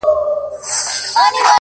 • ځکه چي ماته يې زړگی ويلی؛